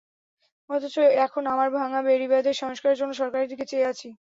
অথচ এখন আমরা ভাঙা বেড়িবাঁধের সংস্কারের জন্য সরকারের দিকে চেয়ে আছি।